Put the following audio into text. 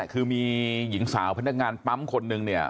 คือมีหญิงสาวพนักงานปั๊มคนนึงเนี่ย